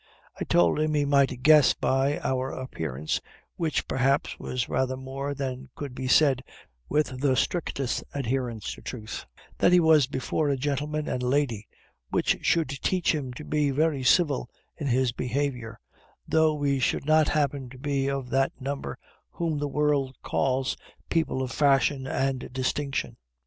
I told him he might guess by our appearance (which, perhaps, was rather more than could be said with the strictest adherence to truth) that he was before a gentleman and lady, which should teach him to be very civil in his behavior, though we should not happen to be of that number whom the world calls people of fashion and distinction.